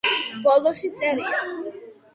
ბოლოში წერია.